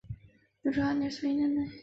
雍正二年因劳卒于任内。